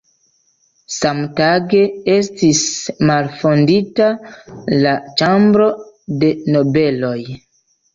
Samtage estis malfondita la Ĉambro de Nobeloj.